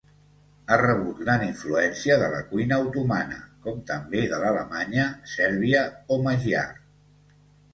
Ha rebut gran influència de la cuina otomana, com també de l'alemanya, sèrbia o magiar.